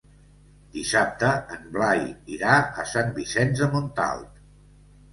Dissabte en Blai irà a Sant Vicenç de Montalt.